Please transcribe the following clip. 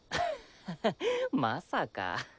ハハハまさか。